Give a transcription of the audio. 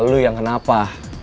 lu yang kenapa